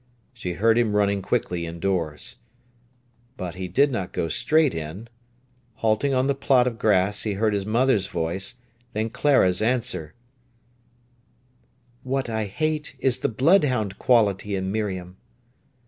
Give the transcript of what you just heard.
She heard him running quickly indoors. But he did not go straight in. Halting on the plot of grass, he heard his mother's voice, then Clara's answer: "What I hate is the bloodhound quality in Miriam."